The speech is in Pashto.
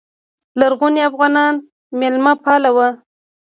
لرغوني افغانان میلمه پال وو